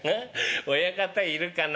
親方いるかな？